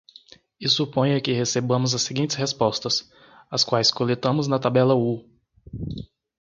E suponha que recebamos as seguintes respostas, as quais coletamos na tabela u.